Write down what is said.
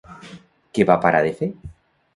Què va parar de fer?